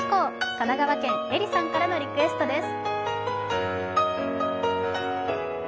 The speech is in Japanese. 神奈川県・えりさんからのリクエストです。